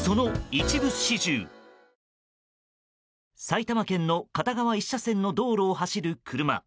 埼玉県の片側１車線の道路を走る車。